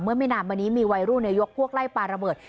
เมื่อไม่นานวันนี้มีวัยรู้นโยคพวกไล่ปลาระเบิด